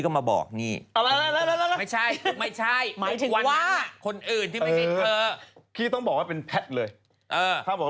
คือมันจบไปแล้ว